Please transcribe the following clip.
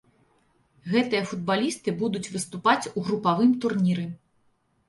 Гэтыя футбалісты будуць выступаць у групавым турніры.